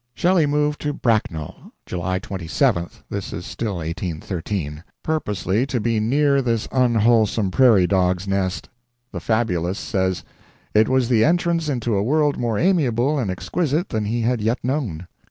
Shelley moved to Bracknell, July 27th (this is still 1813) purposely to be near this unwholesome prairie dogs' nest. The fabulist says: "It was the entrance into a world more amiable and exquisite than he had yet known."